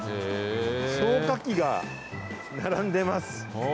消火器が並んでます。